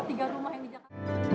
tiga rumah yang di jakarta